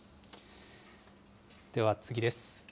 では次です。